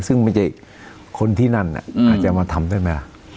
ซึ่งไม่ใช่คนที่นั่นอาจจะมาทำได้ไหมล่ะ